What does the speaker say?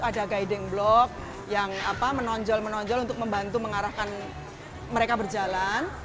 ada guiding block yang menonjol menonjol untuk membantu mengarahkan mereka berjalan